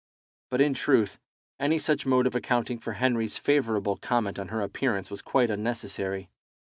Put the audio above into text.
But, in truth, any such mode of accounting for Henry's favourable comment on her appearance was quite unnecessary.